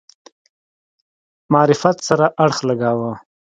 معرفت سره اړخ لګاوه.